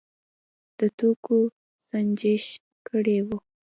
د توکو سنجش کړی و.